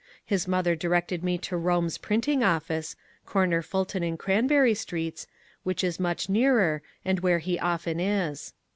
His mother directed me to Bome's Printing Office (cor ner Fulton and Cranberry Streets), which is much nearer, and where he often is.